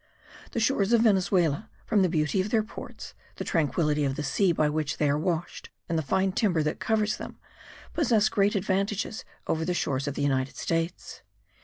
The shores of Venezuela, from the beauty of their ports, the tranquillity of the sea by which they are washed and the fine timber that covers them, possess great advantages over the shores of the United States.